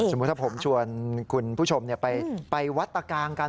ถ้าผมชวนคุณผู้ชมไปวัดตะกางกัน